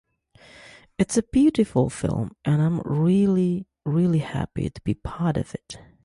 It's a beautiful film and I'm really, really happy to be part of it.